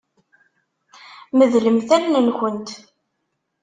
Medlemt allen-nkent.